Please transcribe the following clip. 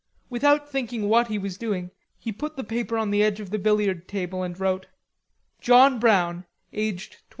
Without thinking what he was doing, he put the paper on the edge of the billiard table and wrote: "John Brown, aged 23.